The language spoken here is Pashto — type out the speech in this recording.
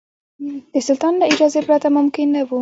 د سلطان له اجازې پرته ممکن نه وو.